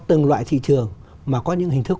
từng loại thị trường mà có những hình thức